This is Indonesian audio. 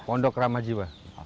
pondok ramah jiwa